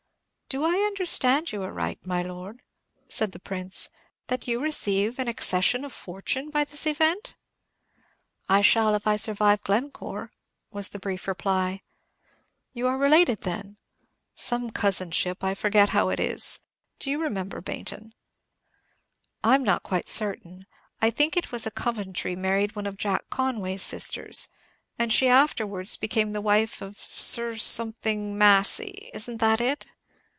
"Do I understand you aright, my Lord," said the Prince, "that you receive an accession of fortune by this event?" "I shall, if I survive Glencore," was the brief reply. "You are related, then?" "Some cousinship, I forget how it is. Do you remember, Baynton?" "I'm not quite certain. I think it was a Coventry married one of Jack Conway's sisters, and she afterwards became the wife of Sir something Massy. Isn't that it?"